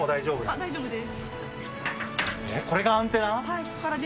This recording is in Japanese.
大丈夫です